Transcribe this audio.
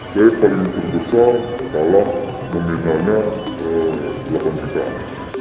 saya paling terbesar dalam pembinaannya delapan jutaan